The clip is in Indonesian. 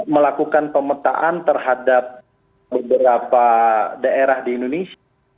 melakukan pemetaan terhadap beberapa daerah di indonesia